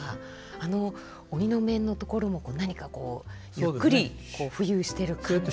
あの鬼の面のところも何かこうゆっくり浮遊してる感じで。